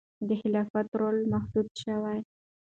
د خلافت رول محدود شوی و.